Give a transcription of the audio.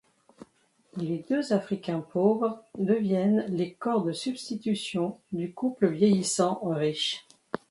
Les deux Africains pauvres, deviennent les corps de substitution du couple vieillissant riche.